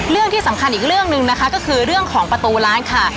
เรื่องที่สำคัญอีกเรื่องหนึ่งนะคะก็คือเรื่องของประตูร้านค่ะ